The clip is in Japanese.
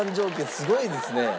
すごいですね。